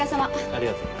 ありがとう。